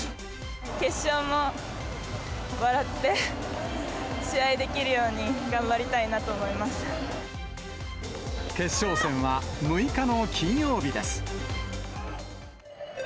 決勝も笑って試合できるように、決勝戦は６日の金曜日です。